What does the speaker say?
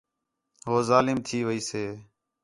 ہو ظالم تھی ویسے